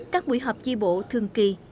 các buổi họp tri bộ thường kỳ